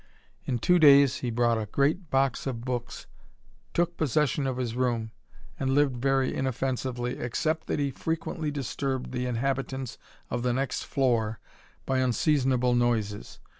In two days he brought a great box of books, took possession of his room, and lived very inoffensively, except that he frequently disturbed 172 THE RAMBLER, the inhabitants of the next floor by unseasonable noises.